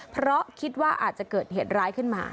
เพราะคิดว่าอาจจะเกิดเหตุร้ายขึ้นมา